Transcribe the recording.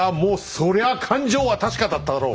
そりゃ勘定は確かだったろう。